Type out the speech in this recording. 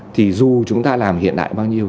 thì dù chúng ta làm hiện đại bao nhiêu